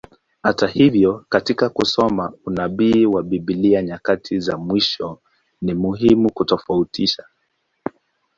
Hata hivyo, katika kusoma unabii wa Biblia nyakati za mwisho, ni muhimu kutofautisha.